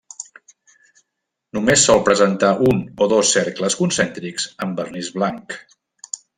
Només sol presentar un, o dos cercles concèntrics en vernís blanc.